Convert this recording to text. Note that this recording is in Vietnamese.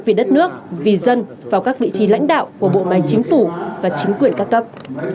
vì đất nước vì dân vào các vị trí lãnh đạo của bộ máy chính phủ và chính quyền các cấp